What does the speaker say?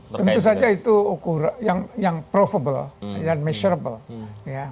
tentu saja itu ukur yang provable yang measurable